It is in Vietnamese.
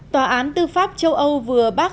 tòa án tư pháp châu âu vừa bác